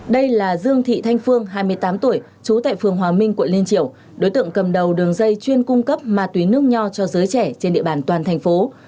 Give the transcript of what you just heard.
đây là dương thị thanh phương hai mươi tám tuổi trú tại phường hòa minh quận liên triều đối tượng cầm đầu đường dây chuyên cung cấp ma túy nước nho cho giới trẻ trên địa bàn toàn thành phố